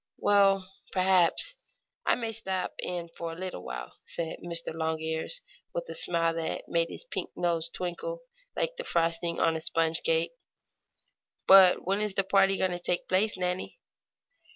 "Well, perhaps, I may stop in for a little while," said Mr. Longears, with a smile that made his pink nose twinkle like the frosting on a sponge cake. "But when is the party going to take place, Nannie?"